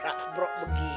sayangnya jatuh lagi